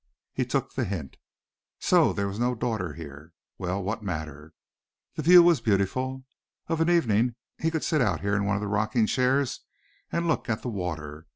He took the hint. So there was no daughter here. Well, what matter? The view was beautiful. Of an evening he could sit out here in one of the rocking chairs and look at the water.